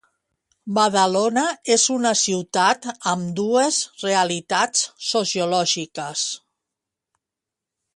Badalona és una ciutat amb dues realitats sociològiques.